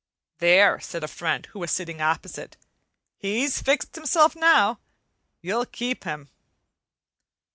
"There," said a friend who was sitting opposite, "he's fixed himself now. You'll keep him."